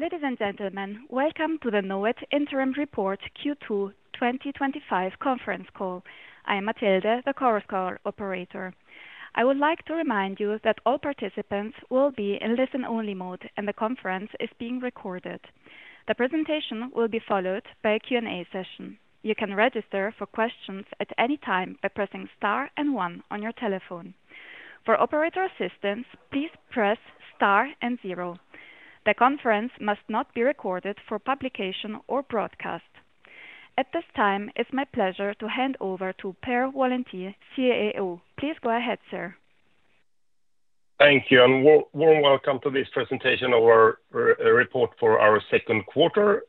Ladies and gentlemen, welcome to the Knowit Interim Report Q2 2025 conference call. I am Mattilde, the Chorus Call operator. I would like to remind you that all participants will be in listen-only mode, and the conference is being recorded. The presentation will be followed by a Q&A session. You can register for questions at any time by pressing star and one on your telephone. For operator assistance, please press star and zero. The conference must not be recorded for publication or broadcast. At this time, it's my pleasure to hand over to Per Wallentin, CEO. Please go ahead, sir. Thank you, and warm welcome to this presentation of our report for our second quarter.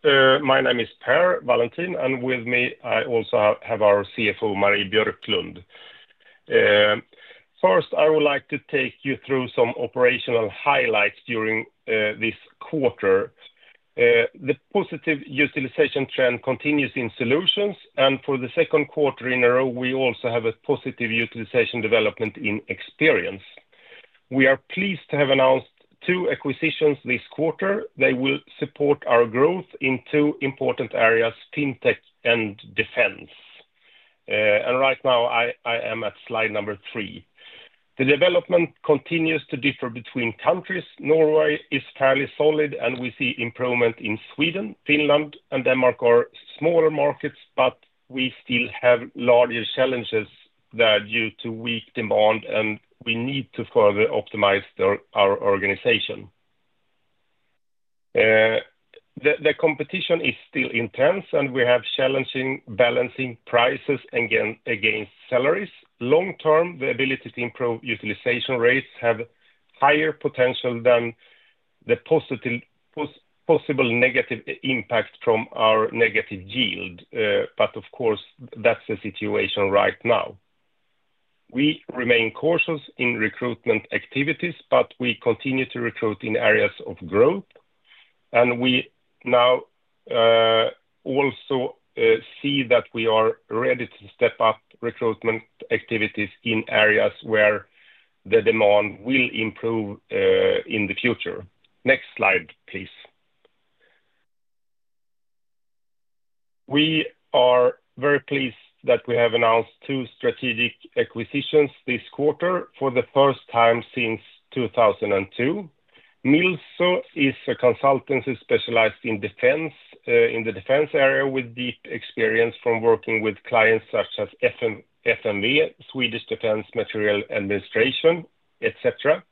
My name is Per Wallentin, and with me, I also have our CFO, Marie Björklund. First, I would like to take you through some operational highlights during this quarter. The positive utilization trend continues in Solutions, and for the second quarter in a row, we also have a positive utilization development in Experience. We are pleased to have announced two acquisitions this quarter. They will support our growth in two important areas: fintech and defense. Right now, I am at slide number three. The development continues to differ between countries. Norway is fairly solid, and we see improvement in Sweden. Finland and Denmark are smaller markets, but we still have larger challenges due to weak demand, and we need to further optimize our organization. The competition is still intense, and we have challenges balancing prices against salaries. Long-term, the ability to improve utilization rates has higher potential than the possible negative impact from our negative yield. Of course, that's the situation right now. We remain cautious in recruitment activities, but we continue to recruit in areas of growth. We now also see that we are ready to step up recruitment activities in areas where the demand will improve in the future. Next slide, please. We are very pleased that we have announced two strategic acquisitions this quarter for the first time since 2002. Milso is a consultancy specialized in defense, in the defense area, with deep experience from working with clients such as FMV, Swedish Defence Materiel Administration, etc.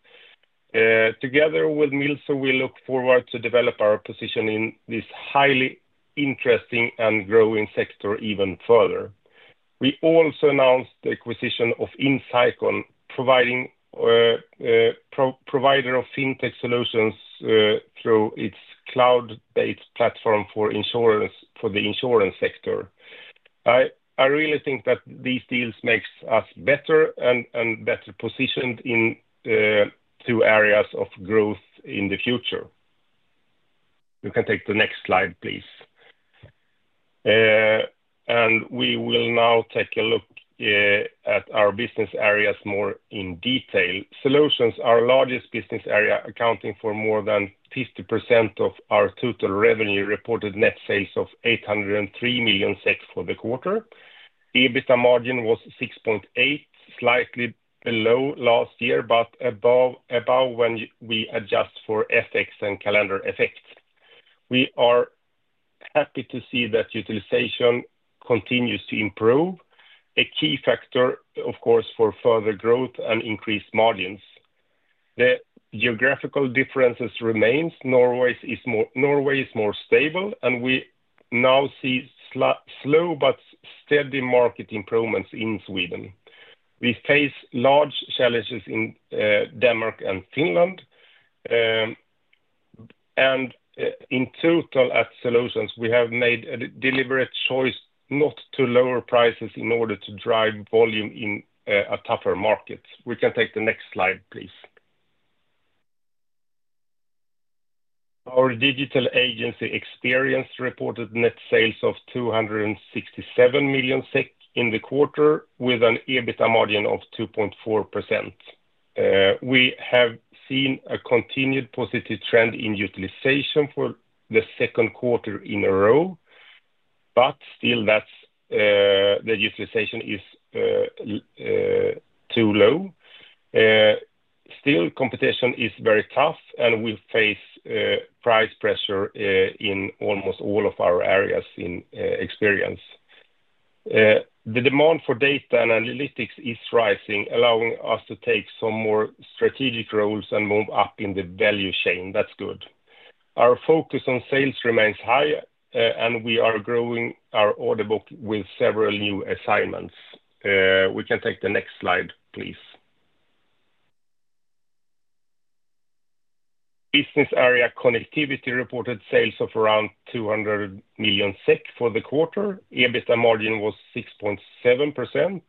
Together with Milso, we look forward to develop our position in this highly interesting and growing sector even further. We also announced the acquisition of Incycle, a provider of fintech solutions through its cloud-based platform for the insurance sector. I really think that these deals make us better and better positioned in two areas of growth in the future. You can take the next slide, please. We will now take a look at our business areas more in detail. Solutions, our largest business area, accounting for more than 50% of our total revenue, reported net sales of 803 million for the quarter. EBITDA margin was 6.8%, slightly below last year, but above when we adjust for FX and calendar effects. We are happy to see that utilization continues to improve, a key factor, of course, for further growth and increased margins. The geographical difference remains. Norway is more stable, and we now see slow but steady market improvements in Sweden. We face large challenges in Denmark and Finland. In total, at Solutions, we have made a deliberate choice not to lower prices in order to drive volume in a tougher market. We can take the next slide, please. Our digital agency Experience reported net sales of 267 million SEK in the quarter, with an EBITDA margin of 2.4%. We have seen a continued positive trend in utilization for the second quarter in a row, but still, the utilization is too low. Competition is very tough, and we face price pressure in almost all of our areas in Experience. The demand for data and analytics is rising, allowing us to take some more strategic roles and move up in the value chain. That's good. Our focus on sales remains high, and we are growing our order book with several new assignments. We can take the next slide, please. Business area Connectivity reported sales of around 200 million SEK for the quarter. EBITDA margin was 6.7%.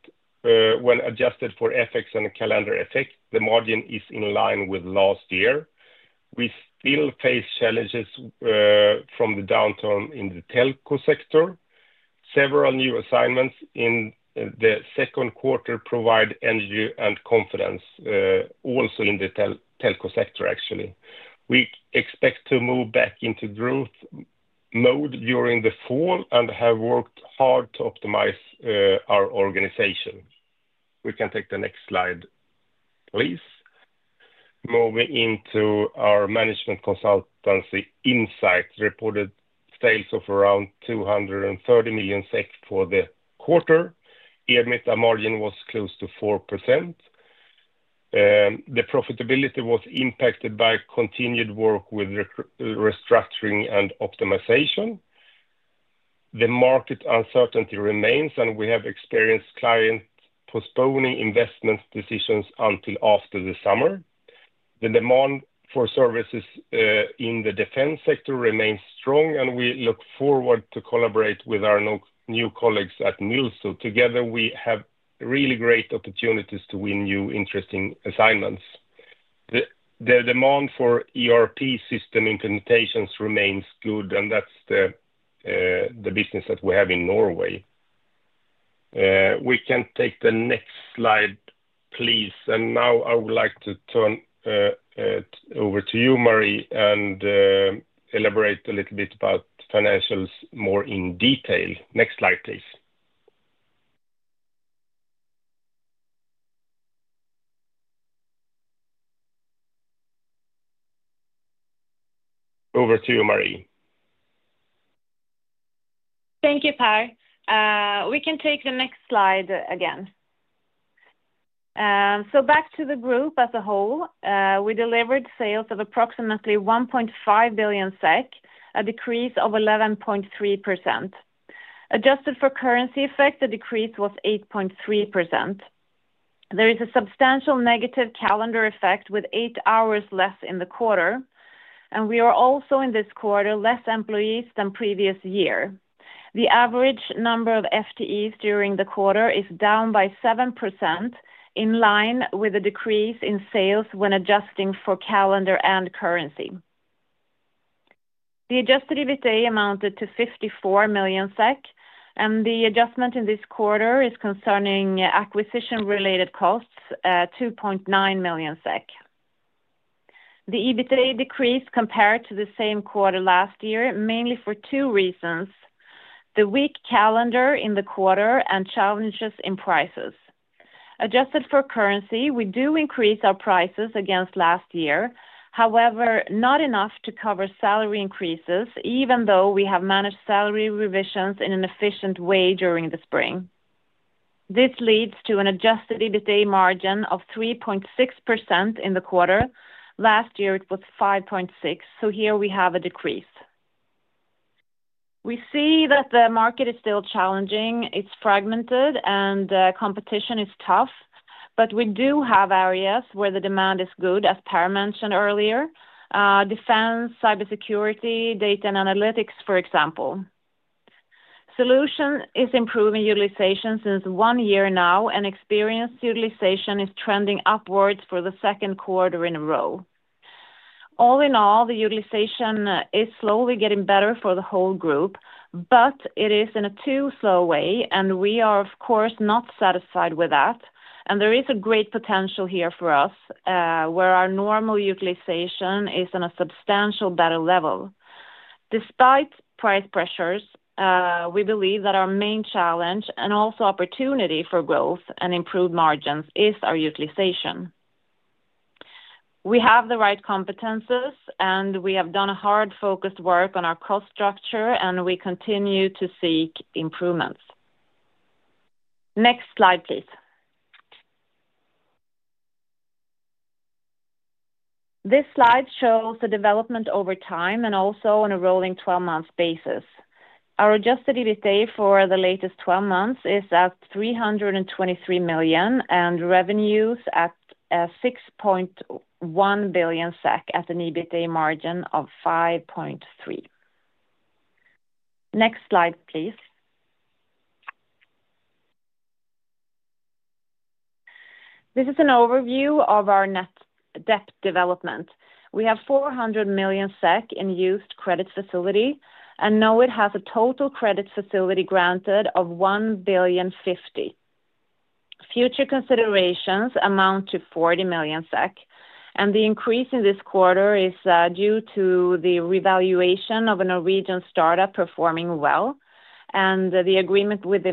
When adjusted for FX and calendar effects, the margin is in line with last year. We still face challenges from the downturn in the telco sector. Several new assignments in the second quarter provide energy and confidence, also in the telco sector, actually. We expect to move back into growth mode during the fall and have worked hard to optimize our organization. We can take the next slide, please. Moving into our management consultancy, Insight reported sales of around 230 million for the quarter. EBITDA margin was close to 4%. The profitability was impacted by continued work with restructuring and optimization. The market uncertainty remains, and we have experienced clients postponing investment decisions until after the summer. The demand for services in the defense sector remains strong, and we look forward to collaborating with our new colleagues at Milso. Together, we have really great opportunities to win new interesting assignments. The demand for ERP system implementations remains good, and that's the business that we have in Norway. We can take the next slide, please. Now I would like to turn it over to you, Marie, and elaborate a little bit about financials more in detail. Next slide, please. Over to you, Marie. Thank you, Per. We can take the next slide again. Back to the group as a whole, we delivered sales of approximately 1.5 billion SEK, a decrease of 11.3%. Adjusted for currency effect, the decrease was 8.3%. There is a substantial negative calendar effect with eight hours less in the quarter, and we are also in this quarter less employees than previous year. The average number of FTEs during the quarter is down by 7% in line with a decrease in sales when adjusting for calendar and currency. The adjusted EBITDA amounted to 54 million SEK, and the adjustment in this quarter is concerning acquisition-related costs, 2.9 million SEK. The EBITDA decreased compared to the same quarter last year, mainly for two reasons: the weak calendar in the quarter and challenges in prices. Adjusted for currency, we do increase our prices against last year. However, not enough to cover salary increases, even though we have managed salary revisions in an efficient way during the spring. This leads to an adjusted EBITDA margin of 3.6% in the quarter. Last year, it was 5.6%. Here we have a decrease. We see that the market is still challenging. It's fragmented, and competition is tough, but we do have areas where the demand is good, as Per mentioned earlier: defense, cybersecurity, data and analytics, for example. Solutions is improving utilization since one year now, and Experience utilization is trending upwards for the second quarter in a row. All in all, the utilization is slowly getting better for the whole group, but it is in a too slow way, and we are, of course, not satisfied with that. There is a great potential here for us, where our normal utilization is on a substantially better level. Despite price pressures, we believe that our main challenge and also opportunity for growth and improved margins is our utilization. We have the right competencies, and we have done a hard focused work on our cost structure, and we continue to seek improvements. Next slide, please. This slide shows the development over time and also on a rolling 12-month basis. Our adjusted EBITDA for the latest 12 months is at 323 million and revenues at 6.1 billion SEK at an EBITDA margin of 5.3%. Next slide, please. This is an overview of our net debt development. We have 400 million SEK in used credit facilities, and Knowit has a total credit facility granted of 1,050,000. Future considerations amount to 40 million SEK, and the increase in this quarter is due to the revaluation of a Norwegian startup performing well, and the agreement with the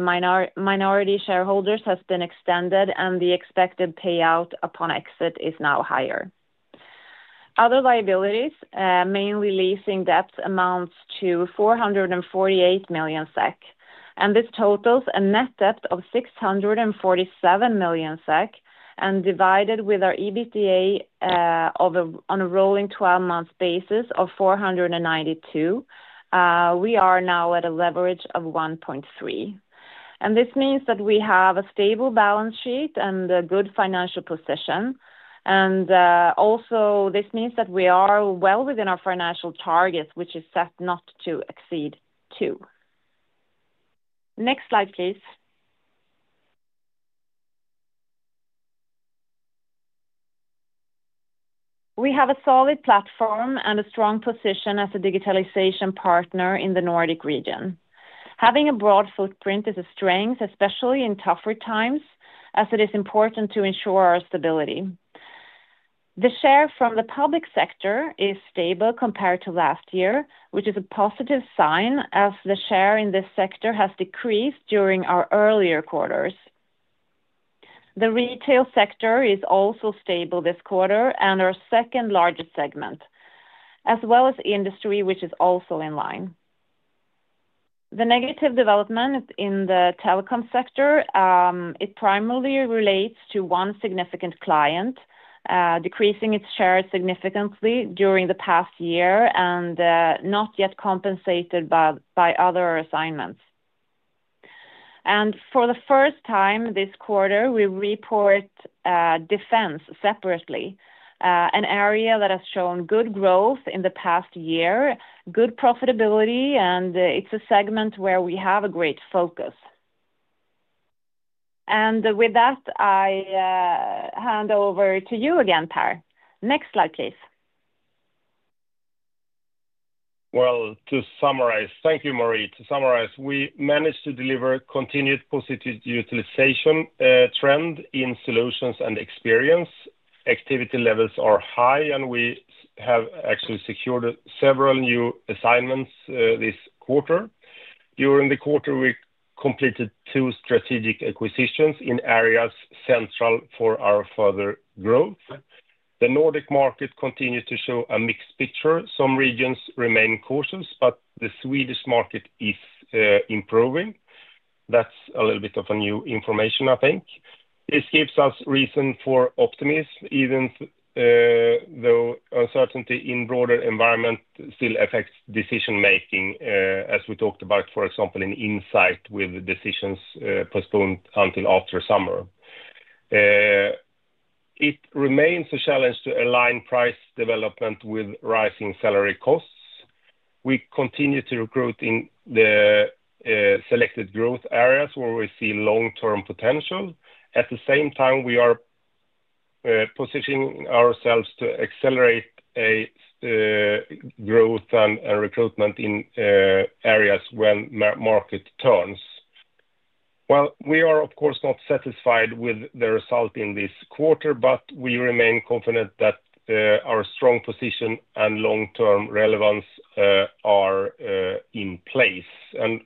minority shareholders has been extended, and the expected payout upon exit is now higher. Other liabilities, mainly leasing debts, amount to 448 million SEK, and this totals a net debt of 647 million SEK. Divided with our EBITDA on a rolling 12-month basis of 492 million, we are now at a leverage of 1.3%. This means that we have a stable balance sheet and a good financial position. It also means that we are well within our financial targets, which is set not to exceed 2. Next slide, please. We have a solid platform and a strong position as a digitalization partner in the Nordic region. Having a broad footprint is a strength, especially in tougher times, as it is important to ensure our stability. The share from the public sector is stable compared to last year, which is a positive sign, as the share in this sector has decreased during our earlier quarters. The retail sector is also stable this quarter, and our second largest segment, as well as industry, which is also in line. The negative development in the telecom sector primarily relates to one significant client, decreasing its shares significantly during the past year and not yet compensated by other assignments. For the first time this quarter, we report defense separately, an area that has shown good growth in the past year, good profitability, and it's a segment where we have a great focus. With that, I hand over to you again, Per. Next slide, please. Thank you, Marie. To summarize, we managed to deliver continued positive utilization trend in Solutions and Experience. Activity levels are high, and we have actually secured several new assignments this quarter. During the quarter, we completed two strategic acquisitions in areas central for our further growth. The Nordic market continued to show a mixed picture. Some regions remain cautious, but the Swedish market is improving. That's a little bit of new information, I think. This gives us reason for optimism, even though uncertainty in the broader environment still affects decision-making, as we talked about, for example, in Insight, with decisions postponed until after summer. It remains a challenge to align price development with rising salary costs. We continue to recruit in the selected growth areas where we see long-term potential. At the same time, we are positioning ourselves to accelerate growth and recruitment in areas when the market turns. We are, of course, not satisfied with the result in this quarter, but we remain confident that our strong position and long-term relevance are in place.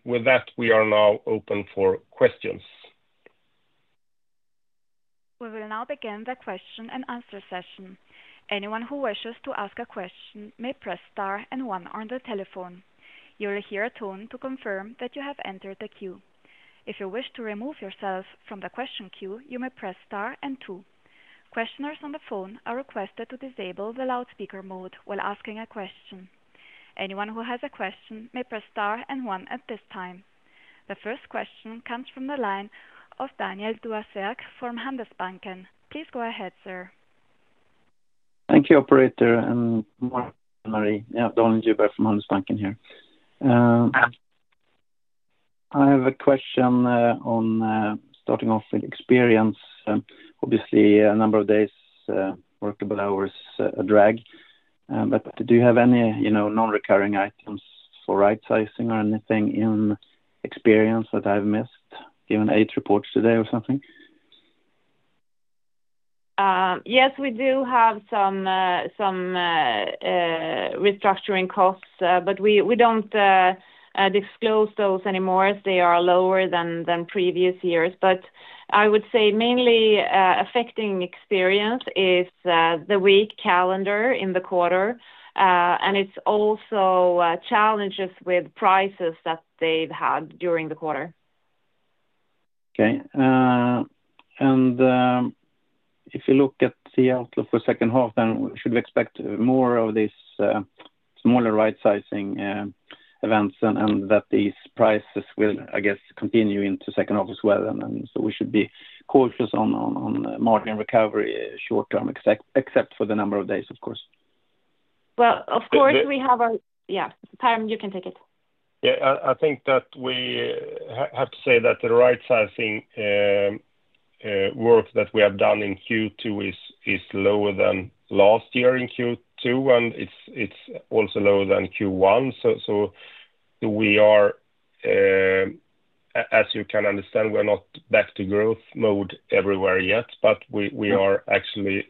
With that, we are now open for questions. We will now begin the question and answer session. Anyone who wishes to ask a question may press * and one on the telephone. You will hear a tone to confirm that you have entered the queue. If you wish to remove yourself from the question queue, you may press star and two. Questioners on the phone are requested to disable the loudspeaker mode while asking a question. Anyone who has a question may press star and one at this time. The first question comes from the line of Daniel Dwasik from Handelsbanken. Please go ahead, sir. Thank you, operator, and Marie. Daniel Dwasik from Handelsbanken here. I have a question on starting off with Experience. Obviously, a number of days' workable hours are a drag. Do you have any non-recurring items for rightsizing or anything in Experience that I've missed? Given eight reports today or something? Yes, we do have some restructuring costs, but we don't disclose those anymore as they are lower than previous years. I would say mainly affecting Experience is the weak calendar in the quarter, and it's also challenges with prices that they've had during the quarter. Okay. If you look at the outlook for the second half, should we expect more of these smaller rightsizing events and that these prices will, I guess, continue into the second half as well? We should be cautious on margin recovery short term, except for the number of days, of course. Of course, we have our... Per, you can take it. I think that we have to say that the rightsizing work that we have done in Q2 is lower than last year in Q2, and it's also lower than Q1. As you can understand, we're not back to growth mode everywhere yet, but we are actually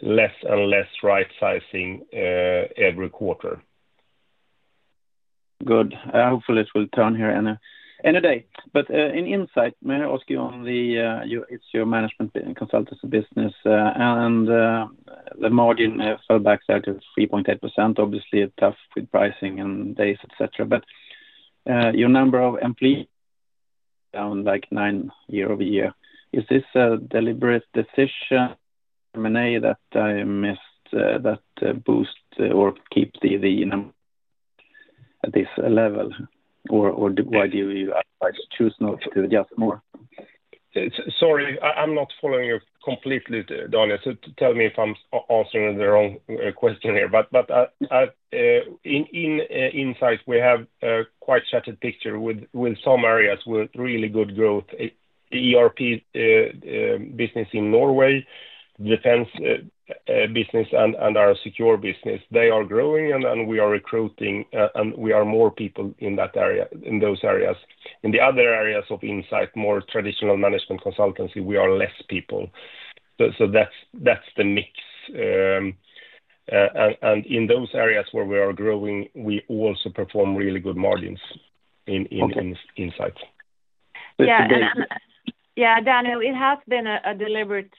less and less rightsizing every quarter. Hopefully, it will turn here in a day. In Insight, may I ask you on the... It's your management consultancy business, and the margin fell back to 3.8%. Obviously, it's tough with pricing and days, etc. Your number of employees is down like nine year over year. Is this a deliberate decision, M&A, that I missed that boost or keep the... you know, at this level? Why do you choose not to adjust more? Sorry, I'm not following you completely, Daniel. Tell me if I'm answering the wrong question here. In Insight, we have a quite shattered picture with some areas with really good growth: the ERP business in Norway, the defense business, and our secure business. They are growing, we are recruiting, and we are more people in those areas. In the other areas of Insight, more traditional management consultancy, we are less people. That's the mix. In those areas where we are growing, we also perform really good margins in Insight. Daniel, it has been a deliberate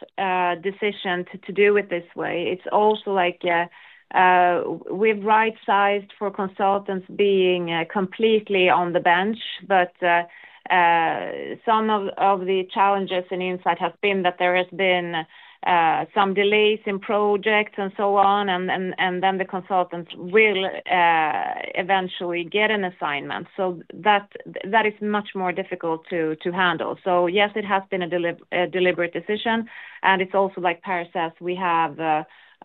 decision to do it this way. It's also like we've rightsized for consultants being completely on the bench. Some of the challenges in Insight have been that there have been some delays in projects and so on, and then the consultants will eventually get an assignment. That is much more difficult to handle. Yes, it has been a deliberate decision. It's also, like Per says, we have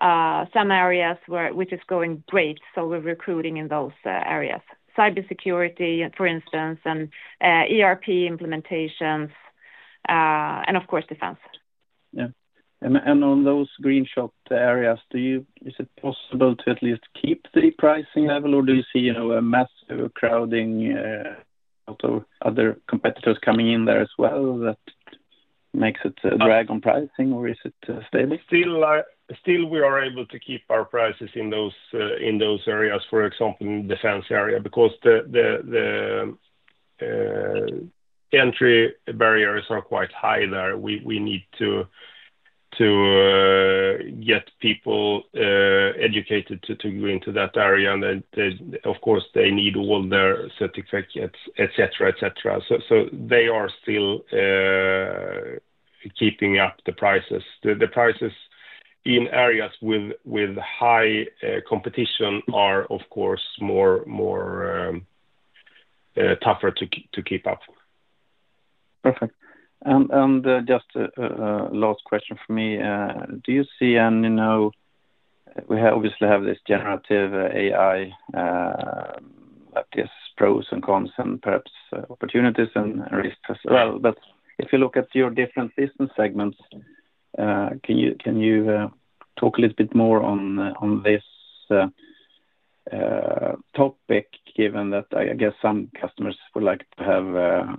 some areas which are going great. We're recruiting in those areas: cybersecurity, for instance, and ERP implementations, and of course, defense. On those green-shopped areas, is it possible to at least keep the pricing level, or do you see a mass crowding of other competitors coming in there as well that makes it a drag on pricing, or is it stable? Still, we are able to keep our prices in those areas, for example, in the defense area, because the entry barriers are quite high there. We need to get people educated to go into that area. Of course, they need all their certificates, etc., etc. They are still keeping up the prices. The prices in areas with high competition are, of course, more tough to keep up. Perfect. Just a last question for me. Do you see any... We obviously have this generative AI, these pros and cons, and perhaps opportunities and risks as well. If you look at your different business segments, can you talk a little bit more on this topic, given that I guess some customers would like to have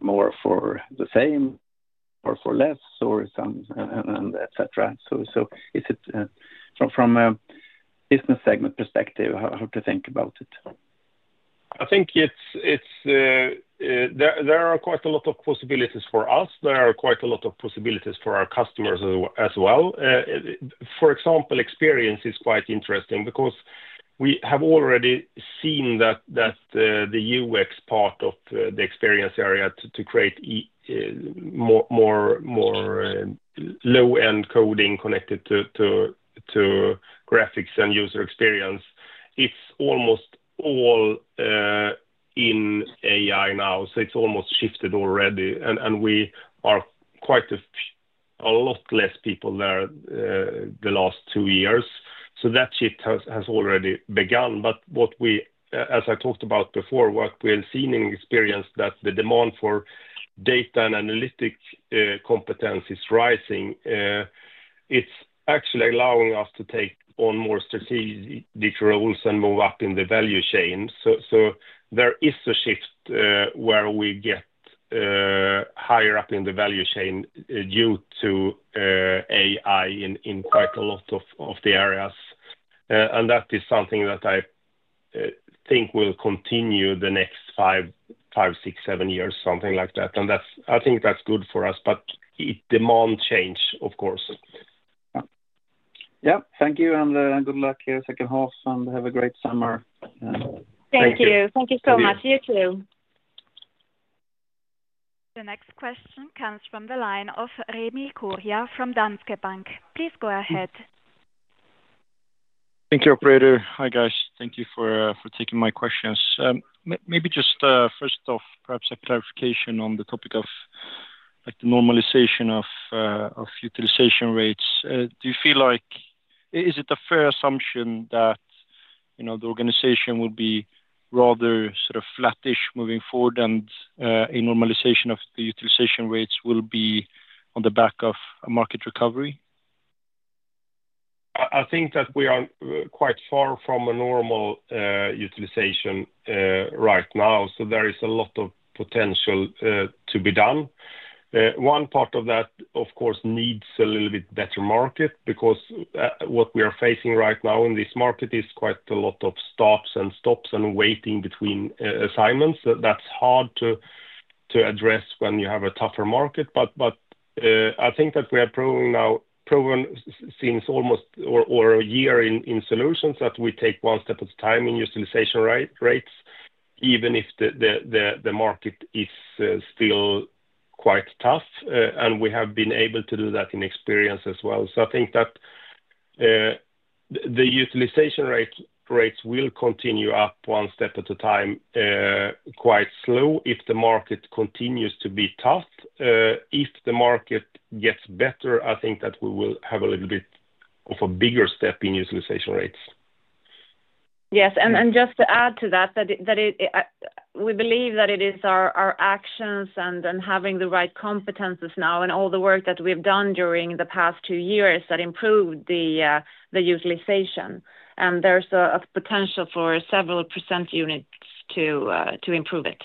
more for the same or for less, or some, etc.? Is it from a business segment perspective, how to think about it? I think there are quite a lot of possibilities for us. There are quite a lot of possibilities for our customers as well. For example, Experience is quite interesting because we have already seen that the UX part of the Experience area to create more low-end coding connected to graphics and user experience, it's almost all in AI now. It's almost shifted already. We are quite a lot less people there the last two years, so that shift has already begun. What we, as I talked about before, have seen in Experience is that the demand for data and analytic competence is rising. It's actually allowing us to take on more strategic roles and move up in the value chain. There is a shift where we get higher up in the value chain due to AI in quite a lot of the areas. That is something that I think will continue the next five, six, seven years, something like that. I think that's good for us, but it demands change, of course. Thank you, and good luck here in the second half, and have a great summer. Thank you. Thank you so much. You too. The next question comes from the line of Remi Kurja from Danske Bank. Please go ahead. Thank you, operator. Hi, guys. Thank you for taking my questions. Maybe just first off, perhaps a clarification on the topic of the normalization of utilization rates. Do you feel like it is a fair assumption that the organization will be rather sort of flattish moving forward, and a normalization of the utilization rates will be on the back of a market recovery? I think that we are quite far from a normal utilization right now. There is a lot of potential to be done. One part of that, of course, needs a little bit better market because what we are facing right now in this market is quite a lot of starts and stops and waiting between assignments. That's hard to address when you have a tougher market. I think that we have proven now, proven since almost a year in Solutions, that we take one step at a time in utilization rates, even if the market is still quite tough. We have been able to do that in Experience as well. I think that the utilization rates will continue up one step at a time, quite slow, if the market continues to be tough. If the market gets better, I think that we will have a little bit of a bigger step in utilization rates. Yes, just to add to that, we believe that it is our actions and having the right competencies now and all the work that we've done during the past two years that improved the utilization. There's a potential for several % units to improve it.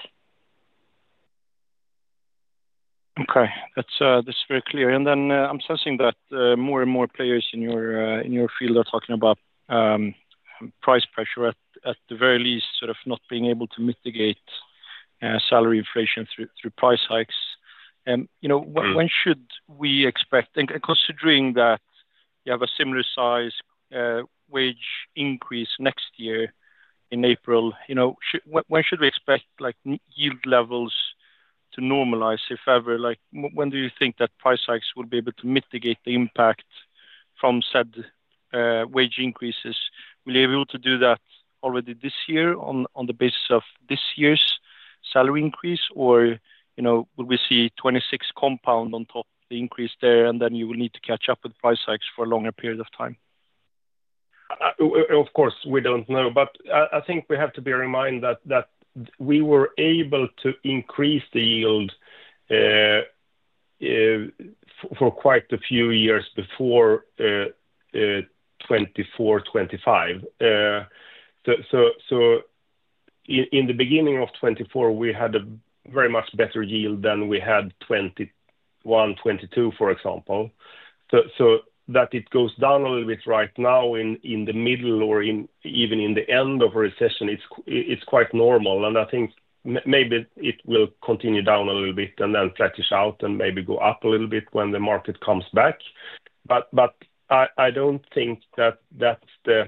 Okay. That's very clear. I'm sensing that more and more players in your field are talking about price pressure, at the very least, sort of not being able to mitigate salary inflation through price hikes. When should we expect, and considering that you have a similar size wage increase next year in April, when should we expect yield levels to normalize, if ever? When do you think that price hikes will be able to mitigate the impact from said wage increases? Will you be able to do that already this year on the basis of this year's salary increase, or will we see 2026 compound on top of the increase there, and then you will need to catch up with price hikes for a longer period of time? Of course, we don't know. I think we have to bear in mind that we were able to increase the yield for quite a few years before 2024, 2025. In the beginning of 2024, we had a much better yield than we had in 2021, 2022, for example. That it goes down a little bit right now in the middle or even in the end of a recession is quite normal. I think maybe it will continue down a little bit and then flatten out and maybe go up a little bit when the market comes back. I don't think that that's the...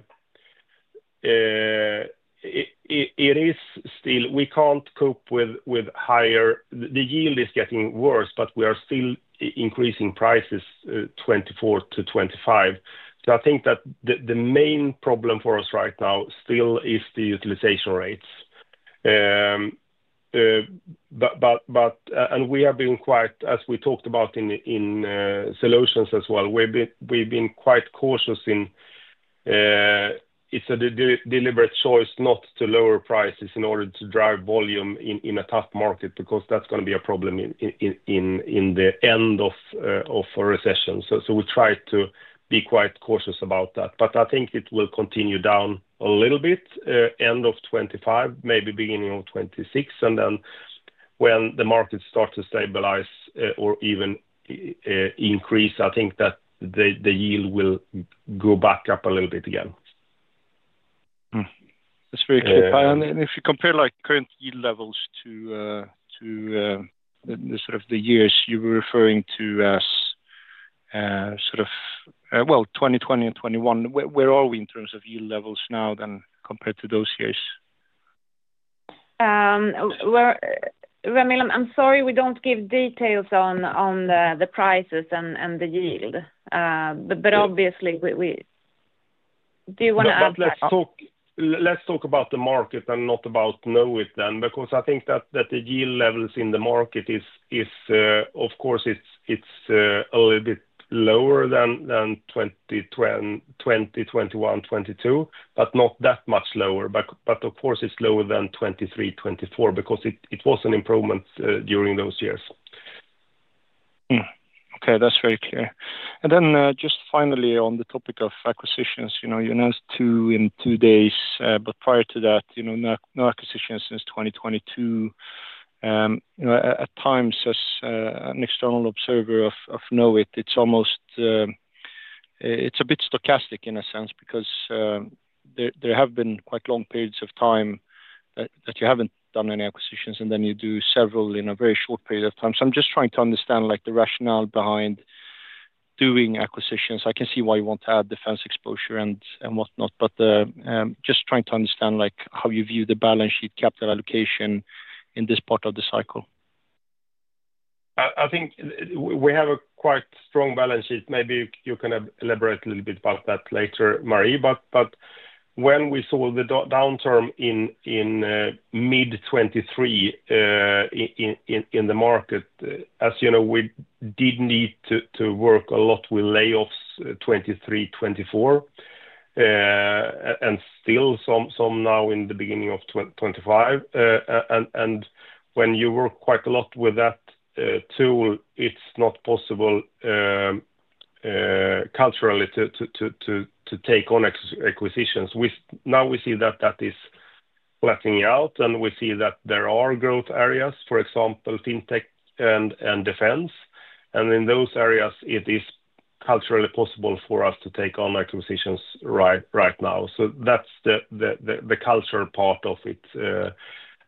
It is still, we can't cope with higher... The yield is getting worse, but we are still increasing prices 2024 to 2025. I think that the main problem for us right now still is the utilization rates. We have been quite, as we talked about in Solutions as well, we've been quite cautious in... It's a deliberate choice not to lower prices in order to drive volume in a tough market because that's going to be a problem in the end of a recession. We try to be quite cautious about that. I think it will continue down a little bit, end of 2025, maybe beginning of 2026. When the market starts to stabilize or even increase, I think that the yield will go back up a little bit again. That's very clear. If you compare current yield levels to the years you were referring to, 2020 and 2021, where are we in terms of yield levels now compared to those years? I'm sorry, we don't give details on the prices and the yield. Obviously, do you want to add? Let's talk about the market and not about Knowit then, because I think that the yield levels in the market, of course, it's a little bit lower than 2020, 2021, 2022, but not that much lower. Of course, it's lower than 2023, 2024 because it was an improvement during those years. Okay, that's very clear. Finally, on the topic of acquisitions, you announced two in two days, but prior to that, no acquisitions since 2022. At times, as an external observer of Knowit, it's almost, it's a bit stochastic in a sense because there have been quite long periods of time that you haven't done any acquisitions, and then you do several in a very short period of time. I'm just trying to understand the rationale behind doing acquisitions. I can see why you want to add defense exposure and whatnot, just trying to understand how you view the balance sheet capital allocation in this part of the cycle. I think we have a quite strong balance sheet. Maybe you can elaborate a little bit about that later, Marie. When we saw the downturn in mid 2023 in the market, as you know, we did need to work a lot with layoffs 2023, 2024, and still some now in the beginning of 2025. When you work quite a lot with that tool, it's not possible culturally to take on acquisitions. We see that that is flatting out, and we see that there are growth areas, for example, fintech and defense. In those areas, it is culturally possible for us to take on acquisitions right now. That's the cultural part of it.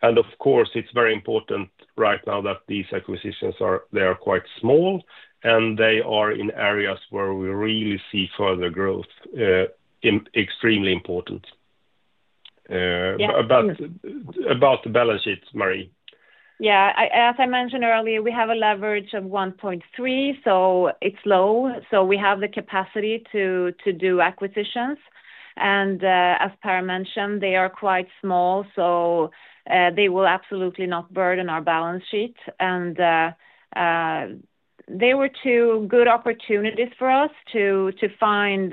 Of course, it's very important right now that these acquisitions, they are quite small, and they are in areas where we really see further growth, extremely important. About the balance sheets, Marie. As I mentioned earlier, we have a leverage of 1.3%, so it's low. We have the capacity to do acquisitions. As Per mentioned, they are quite small, so they will absolutely not burden our balance sheet. There were two good opportunities for us to find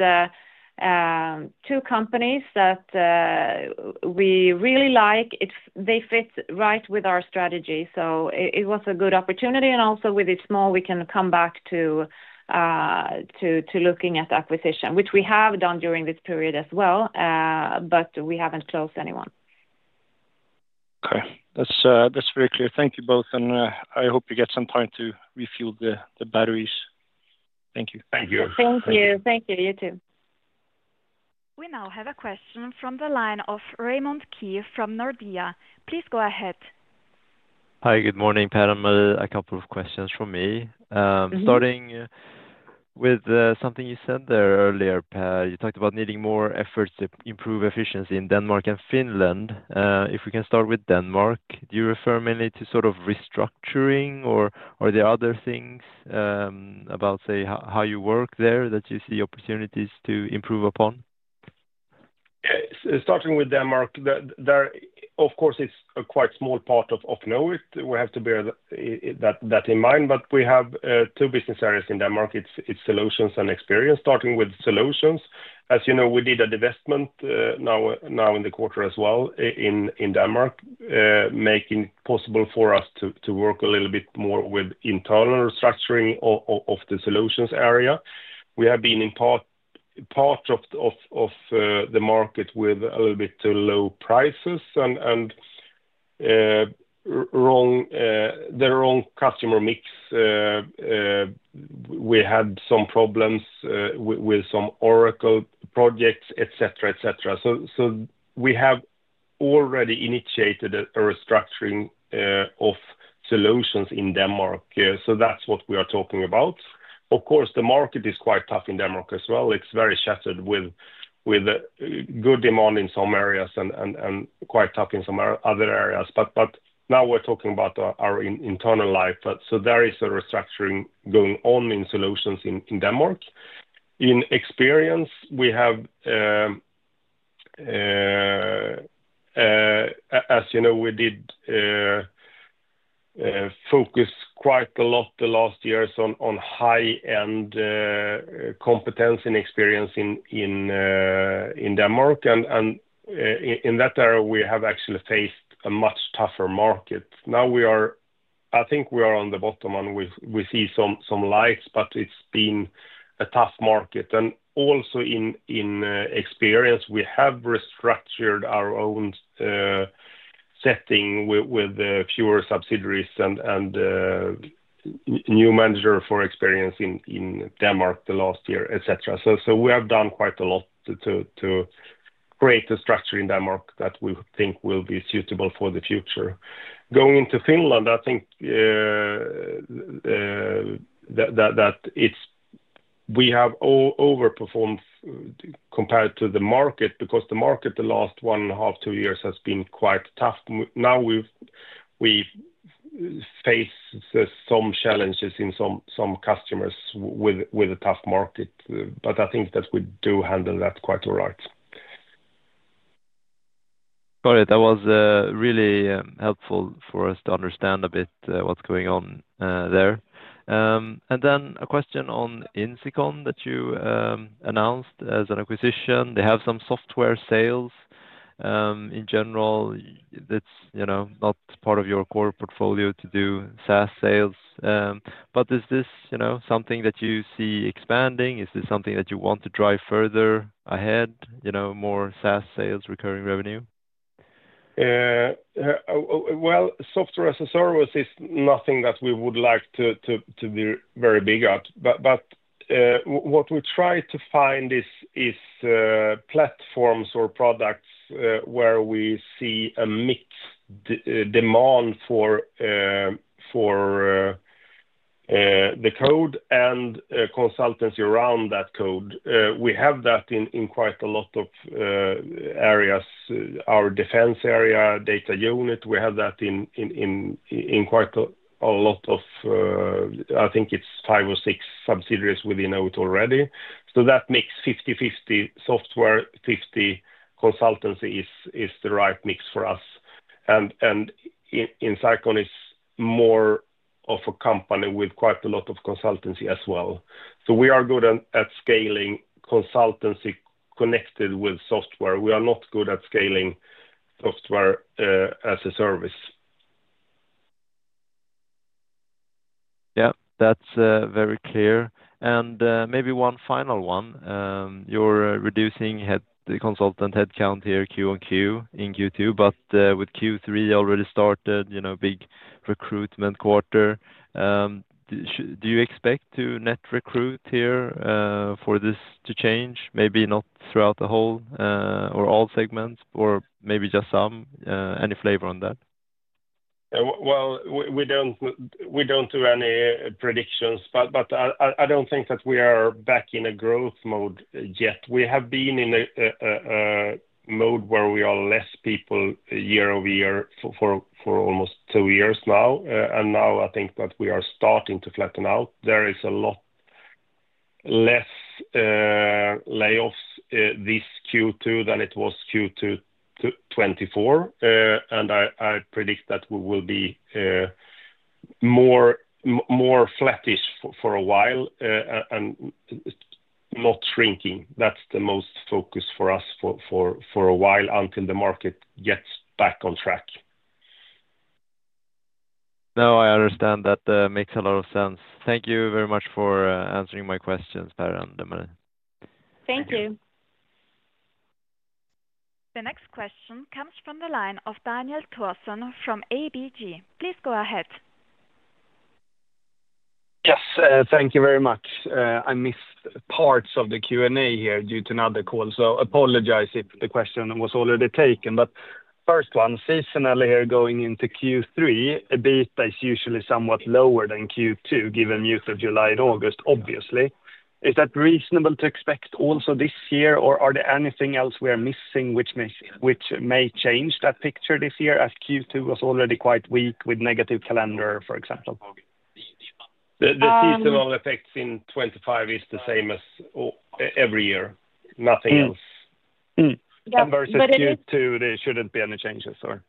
two companies that we really like. They fit right with our strategy. It was a good opportunity. Also, with it small, we can come back to looking at acquisition, which we have done during this period as well, but we haven't closed anyone. Okay. That's very clear. Thank you both. I hope you get some time to refuel the batteries. Thank you. Thank you. Thank you. Thank you. You too. We now have a question from the line of Raymond Keefe from Nordea. Please go ahead. Hi, good morning, Per. A couple of questions from me. Starting with something you said earlier, Per, you talked about needing more efforts to improve efficiency in Denmark and Finland. If we can start with Denmark, do you refer mainly to restructuring, or are there other things about, say, how you work there that you see opportunities to improve upon? Okay. Starting with Denmark, there, of course, it's a quite small part of Knowit. We have to bear that in mind. We have two business areas in Denmark. It's Solutions and Experience. Starting with Solutions, as you know, we did an investment now in the quarter as well in Denmark, making it possible for us to work a little bit more with internal structuring of the Solutions area. We have been in part of the market with a little bit too low prices and the wrong customer mix. We had some problems with some Oracle projects, etc. We have already initiated a restructuring of Solutions in Denmark. That's what we are talking about. Of course, the market is quite tough in Denmark as well. It's very shattered with good demand in some areas and quite tough in some other areas. Now we're talking about our internal life. There is a restructuring going on in Solutions in Denmark. In Experience, as you know, we did focus quite a lot the last years on high-end competence in Experience in Denmark. In that area, we have actually faced a much tougher market. Now, I think we are on the bottom and we see some lights, but it's been a tough market. Also in Experience, we have restructured our own setting with fewer subsidiaries and a new manager for Experience in Denmark the last year. We have done quite a lot to create a structure in Denmark that we think will be suitable for the future. Going into Finland, I think that we have overperformed compared to the market because the market the last one and a half, two years has been quite tough. Now we face some challenges in some customers with a tough market. I think that we do handle that quite alright. Got it. That was really helpful for us to understand a bit what's going on there. A question on Incycle that you announced as an acquisition. They have some software sales. In general, that's not part of your core portfolio to do SaaS sales. Is this something that you see expanding? Is this something that you want to drive further ahead, more SaaS sales, recurring revenue? Software as a service is nothing that we would like to be very big at. What we try to find is platforms or products where we see a mixed demand for the code and consultancy around that code. We have that in quite a lot of areas, our defense area, data unit. We have that in quite a lot of, I think it's five or six subsidiaries within it already. That makes 50/50 software, 50 consultancy is the right mix for us. Incycle is more of a company with quite a lot of consultancy as well. We are good at scaling consultancy connected with software. We are not good at scaling software as a service. That's very clear. Maybe one final one. You're reducing the consultant headcount here Q1 to Q2, but with Q3 already started, you know, big recruitment quarter. Do you expect to net recruit here for this to change, maybe not throughout the whole or all segments, or maybe just some? Any flavor on that? I don't think that we are back in a growth mode yet. We have been in a mode where we are less people year over year for almost two years now. Now I think that we are starting to flatten out. There is a lot less layoffs this Q2 than it was Q2 2024. I predict that we will be more flattish for a while and not shrinking. That's the most focus for us for a while until the market gets back on track. No, I understand that. That makes a lot of sense. Thank you very much for answering my questions, Per and Marie. Thank you. The next question comes from the line of Daniel Thorsén from ABG. Please go ahead. Yes, thank you very much. I missed parts of the Q&A here due to another call, so I apologize if the question was already taken. First one, seasonal here going into Q3, EBITDA is usually somewhat lower than Q2, given the use of July and August, obviously. Is that reasonable to expect also this year, or is there anything else we are missing which may change that picture this year as Q2 was already quite weak with negative calendar, for example? The seasonal effects in 2025 are the same as every year. Nothing else. Versus Q2, there shouldn't be any changes, or?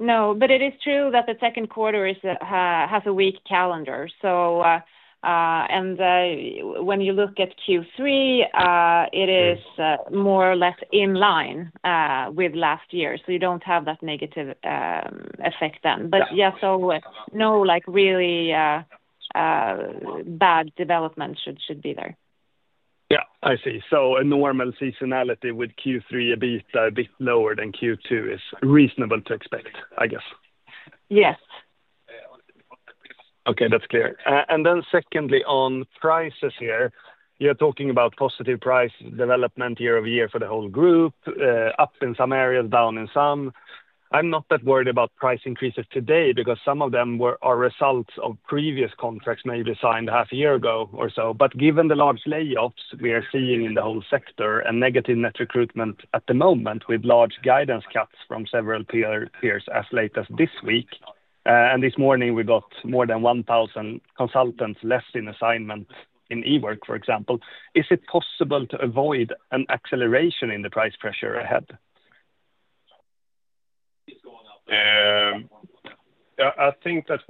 No, but it is true that the second quarter has a weak calendar. When you look at Q3, it is more or less in line with last year, so you don't have that negative effect then. Yeah, no really bad development should be there. I see. A normal seasonality with Q3 EBITDA a bit lower than Q2 is reasonable to expect, I guess. Yes. Okay, that's clear. Secondly, on prices here, you're talking about positive price development year over year for the whole group, up in some areas, down in some. I'm not that worried about price increases today because some of them are results of previous contracts maybe signed a half a year ago or so. Given the large layoffs we are seeing in the whole sector and negative net recruitment at the moment with large guidance cuts from several peers as late as this week, and this morning we got more than 1,000 consultants less in assignment in Ework, for example, is it possible to avoid an acceleration in the price pressure ahead? I think that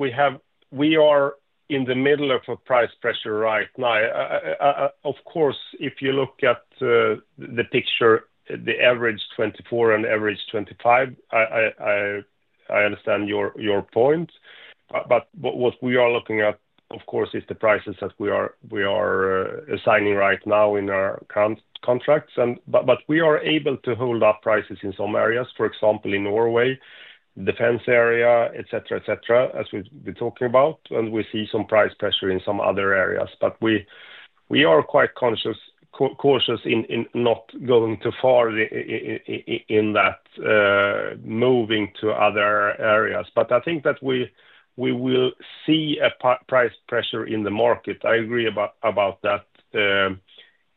we are in the middle of a price pressure right now. Of course, if you look at the picture, the average 2024 and average 2025, I understand your point. What we are looking at, of course, is the prices that we are assigning right now in our contracts. We are able to hold up prices in some areas, for example, in Norway, the defense area, etc., as we've been talking about. We see some price pressure in some other areas. We are quite cautious in not going too far in that, moving to other areas. I think that we will see a price pressure in the market. I agree about that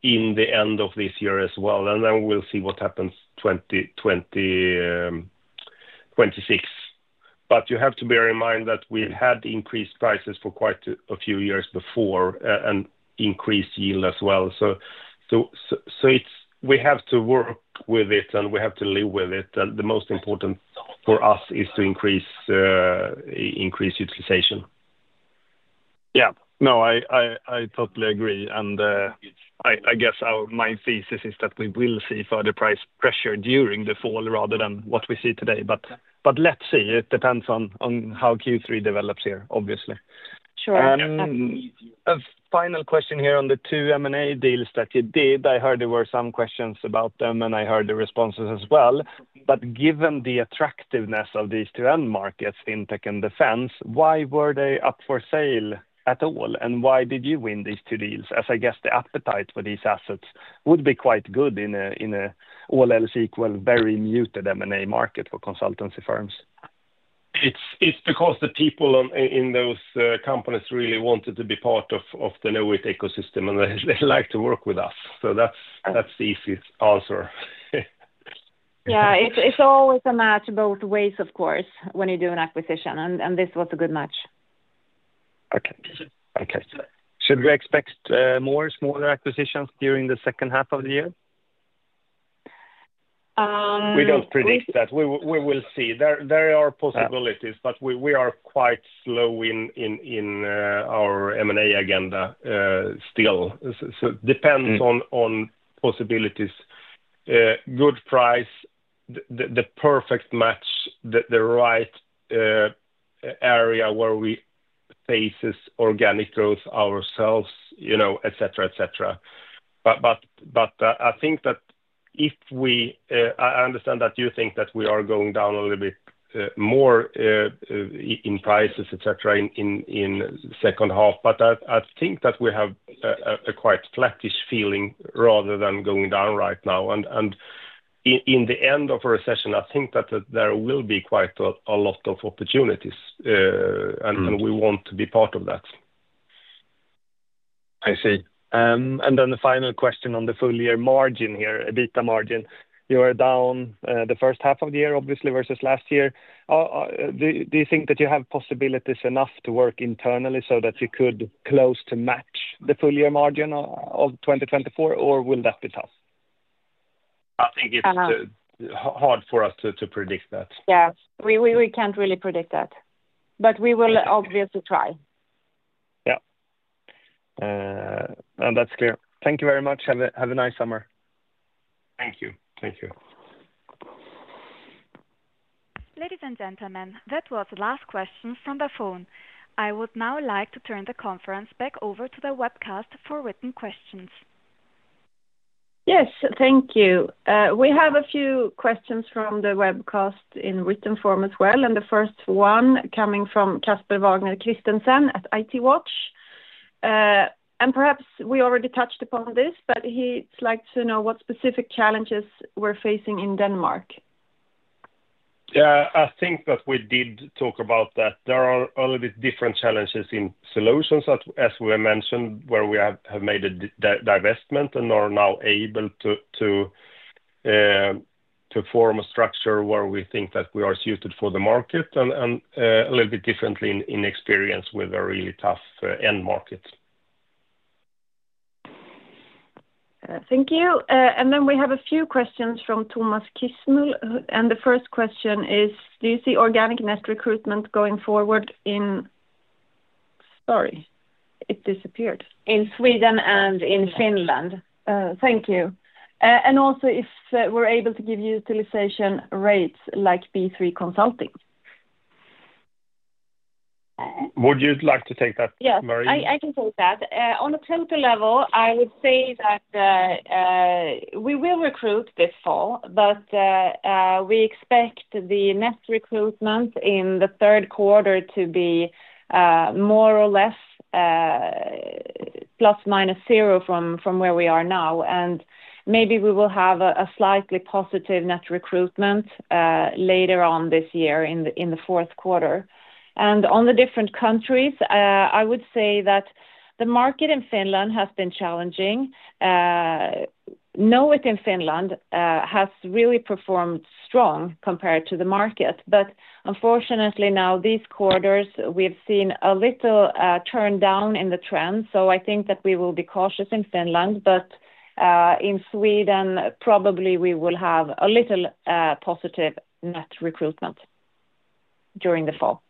in the end of this year as well. We'll see what happens in 2026. You have to bear in mind that we've had increased prices for quite a few years before and increased yield as well. We have to work with it and we have to live with it. The most important for us is to increase utilization. No, I totally agree. I guess my thesis is that we will see further price pressure during the fall rather than what we see today. Let's see. It depends on how Q3 develops here, obviously. Sure. A final question here on the two M&A deals that you did. I heard there were some questions about them and I heard the responses as well. Given the attractiveness of these two end markets, fintech and defense, why were they up for sale at all? Why did you win these two deals? I guess the appetite for these assets would be quite good in an all-else-equal very muted M&A market for consultancy firms. It's because the people in those companies really wanted to be part of the Knowit ecosystem, and they like to work with us. That's the easiest answer. It's always a match both ways, of course, when you do an acquisition. This was a good match. Okay. Should we expect more smaller acquisitions during the second half of the year? We don't predict that. We will see. There are possibilities, but we are quite slow in our M&A agenda still. It depends on possibilities, good price, the perfect match, the right area where we face organic growth ourselves, etc., etc. I think that if we, I understand that you think that we are going down a little bit more in prices, etc., in the second half. I think that we have a quite flattish feeling rather than going down right now. In the end of a recession, I think that there will be quite a lot of opportunities. We want to be part of that. I see. The final question on the full year margin here, adjusted EBITDA margin. You are down the first half of the year, obviously, versus last year. Do you think that you have possibilities enough to work internally so that you could close to match the full year margin of 2024, or will that be tough? I think it's hard for us to predict that. We can't really predict that, but we will obviously try. That's clear. Thank you very much. Have a nice summer. Thank you. Thank you. Ladies and gentlemen, that was the last question from the phone. I would now like to turn the conference back over to the webcast for written questions. Yes, thank you. We have a few questions from the webcast in written form as well. The first one is coming from Kasper Wagner Christensen at IT Watch. Perhaps we already touched upon this, but he'd like to know what specific challenges we're facing in Denmark. Yeah, I think that we did talk about that. There are a little bit different challenges in Solutions, as we mentioned, where we have made a divestment and are now able to form a structure where we think that we are suited for the market, and a little bit differently in Experience with a really tough end market. Thank you. We have a few questions from Thomas Kiesel. The first question is, do you see organic net recruitment going forward in Sweden and in Finland? Thank you. Also, if we're able to give you utilization rates like B3 Consulting. Would you like to take that, Marie? Yes, I can take that. On a total level, I would say that we will recruit this fall, but we expect the net recruitment in the third quarter to be more or less plus minus zero from where we are now. Maybe we will have a slightly positive net recruitment later on this year in the fourth quarter. On the different countries, I would say that the market in Finland has been challenging. Knowit in Finland has really performed strong compared to the market. Unfortunately, now these quarters, we've seen a little turn down in the trend. I think that we will be cautious in Finland. In Sweden, probably we will have a little positive net recruitment during the fall.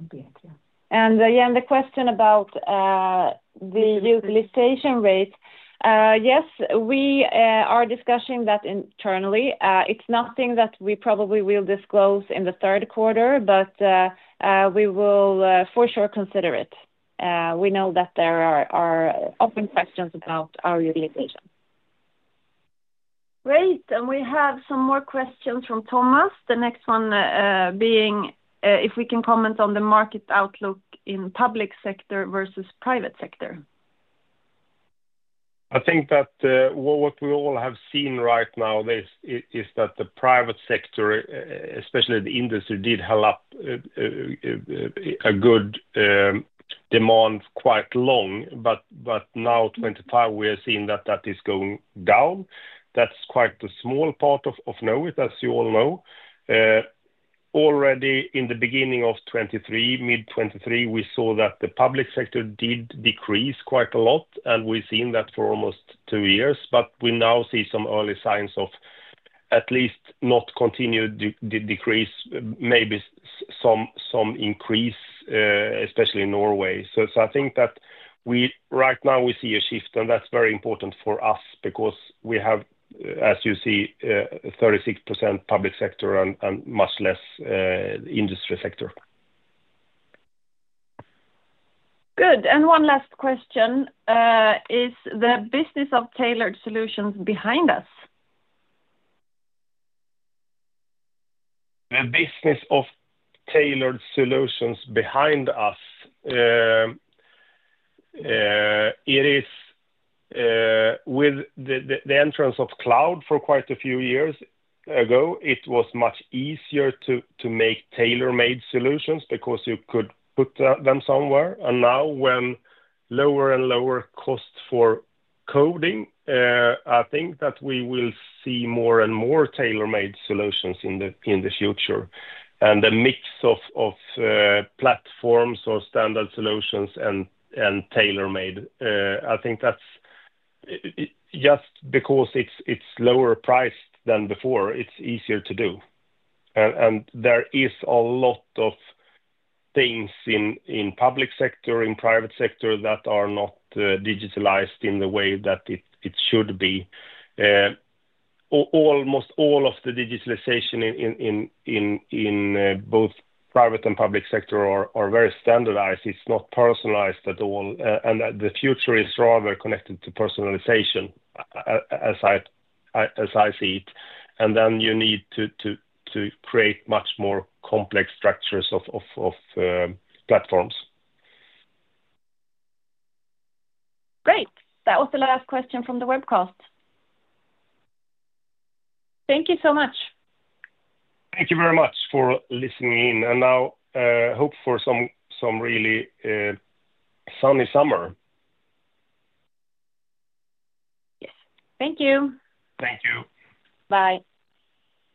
The question about the utilization rate, yes, we are discussing that internally. It's nothing that we probably will disclose in the third quarter, but we will for sure consider it. We know that there are open questions about our utilization. Great. We have some more questions from Thomas, the next one being if we can comment on the market outlook in public sector versus private sector. I think that what we all have seen right now is that the private sector, especially the industry, did have a good demand quite long. Now, 2025, we are seeing that that is going down. That's quite a small part of Knowit, as you all know. Already in the beginning of 2023, mid 2023, we saw that the public sector did decrease quite a lot, and we've seen that for almost two years. We now see some early signs of at least not continued decrease, maybe some increase, especially in Norway. I think that right now we see a shift, and that's very important for us because we have, as you see, 36% public sector and much less industry sector. Good. One last question, is the business of tailored solutions behind us? The business of tailored solutions behind us, it is with the entrance of cloud for quite a few years ago, it was much easier to make tailor-made solutions because you could put them somewhere. Now, when lower and lower costs for coding, I think that we will see more and more tailor-made solutions in the future. The mix of platforms or standard solutions and tailor-made, I think that's just because it's lower priced than before, it's easier to do. There are a lot of things in public sector, in private sector that are not digitalized in the way that it should be. Almost all of the digitalization in both private and public sector are very standardized. It's not personalized at all. The future is rather connected to personalization, as I see it. You need to create much more complex structures of platforms. Great. That was the last question from the webcast. Thank you so much. Thank you very much for listening in. I hope for some really sunny summer. Thank you. Thank you. Bye.